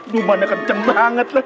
lu mana kenceng banget